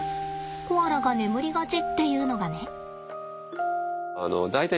コアラが眠りがちっていうのがね。